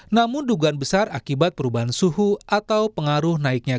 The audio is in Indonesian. namun dugaan besar akibat perubahan suhu atau pengaruh naiknya